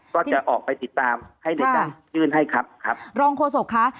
ก็จะออกไปติดตามในจ้างยื่นให้ครับ